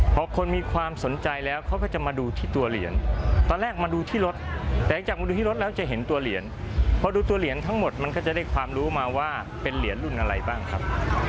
พอคนมีความสนใจแล้วเขาก็จะมาดูที่ตัวเหรียญตอนแรกมาดูที่รถหลังจากมาดูที่รถแล้วจะเห็นตัวเหรียญพอดูตัวเหรียญทั้งหมดมันก็จะได้ความรู้มาว่าเป็นเหรียญรุ่นอะไรบ้างครับ